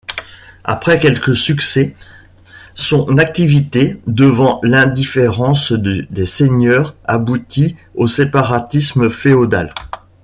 Après quelques succès, son activité, devant l’indifférence des seigneurs, aboutit au séparatisme féodal.